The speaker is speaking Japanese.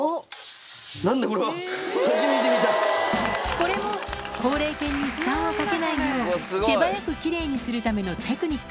これも高齢犬に負担をかけないよう手早く奇麗にするためのテクニック